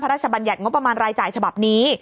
บัญญัติงบประมาณรายจ่ายฉบับนี้